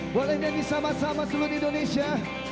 boleh jadi sama sama seluruh indonesia